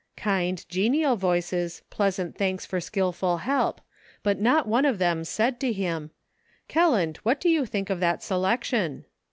Kind, genial voices, pleasant thanks for skillful help ; but not one of them said to him :" Kelland, what do you think of that selection